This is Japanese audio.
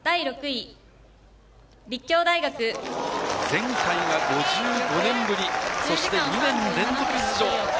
前回は５５年ぶり、そして２年連続出場。